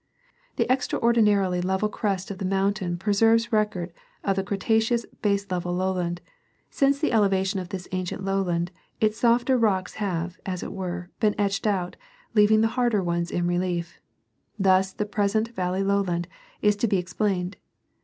The extra ^•:^^W ^:J \^ ordinarily level crest of the mountain * Il4 .ST^i preserves record of the Cretaceous /'// 'V^ baselevel lowland ; since the elevation r'' r ^5/i' of this ancient lowland, its softer rocks './ "^^^y, have, as it were, been etched out, " Jsv leaving the harder ones in relief ; thus ''•^^^1^ the present valley lowland is to be ^'^. explained.